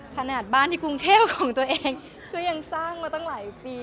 ขนาดบ้านที่กรุงเทพของตัวเองก็ยังสร้างมาตั้งหลายปี